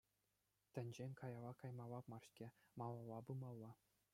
Тӗнчен каялла каймалла мар-ҫке, малалла пымалла.